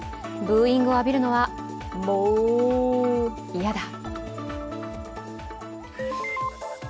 ブーイングを浴びるのはも嫌だ。